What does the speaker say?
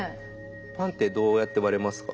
パンってどうやって割れますか？